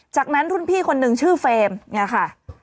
จากนั้นรุ่นพี่คนนึงชื่อเฟรมเนี่ยค่ะ